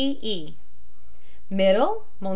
P. E. MIDDLE, MME.